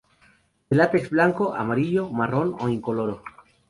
De látex blanco, amarillo, marrón o incoloro.